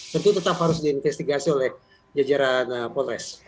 tentu tetap harus diinvestigasi oleh jajaran polres